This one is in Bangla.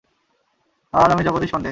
আর আমি জগদীশ পান্ডে!